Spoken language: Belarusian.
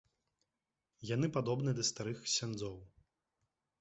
Яны падобны да старых ксяндзоў.